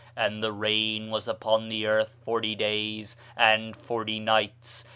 And the rain was upon the earth forty days and forty nights.